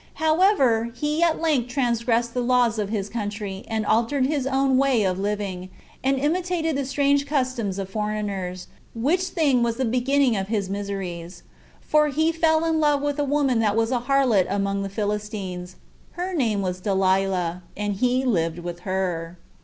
11. However, he at length 21 transgressed the laws of his country, and altered his own regular way of living, and imitated the strange customs of foreigners, which thing was the beginning of his miseries; for he fell in love with a woman that was a harlot among the Philistines: her name was Delilah, and he lived with her.